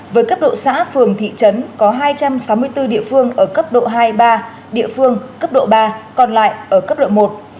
với cấp độ xã phường thị trấn có hai trăm sáu mươi bốn địa phương ở cấp độ hai ba địa phương cấp độ ba còn lại ở cấp độ một